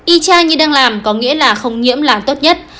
y tra như đang làm có nghĩa là không nhiễm là tốt nhất